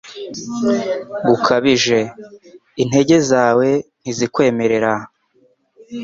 gukabije. Intege zawe ntizikwemerera